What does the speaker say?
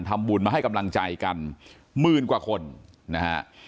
ทำบุญมาให้กำลังใจกันหมื่นกว่าคนนะฮะ